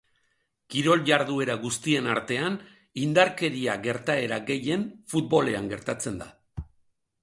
Kirol jarduera guztien artean, indarkeria gertaera gehien futbolean gertatzen da.